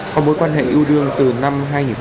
có mối quan hệ ưu đương từ năm hai nghìn một mươi năm